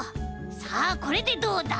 さあこれでどうだ？